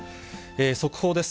速報です。